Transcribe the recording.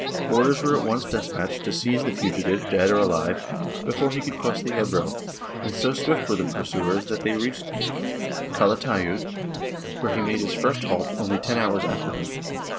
Orders were at once despatched to seize the fugitive, dead or alive, before he should cross the Ebro, and so swift were the pursuers that they reached Calatayud, where he made his first halt, only ten hours after him.